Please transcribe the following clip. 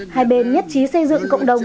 hai bên nhất trí xây dựng cộng đồng